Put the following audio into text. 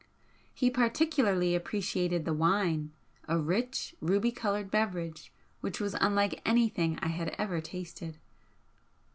He particularly appreciated the wine, a rich, ruby coloured beverage which was unlike anything I had ever tasted.